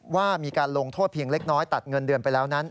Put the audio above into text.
ว่ามีการลงโทษเพียงเล็กน้อยตัดเงินเดือนไปแล้วนั้น